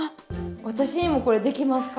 私にもこれできますか？